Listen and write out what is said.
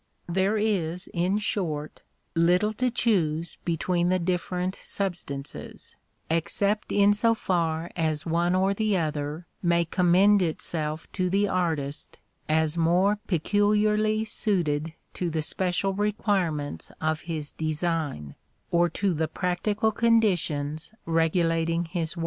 There is, in short, little to choose between the different substances, except in so far as one or the other may commend itself to the artist as more peculiarly suited to the special requirements of his design, or to the practical conditions regulating his work.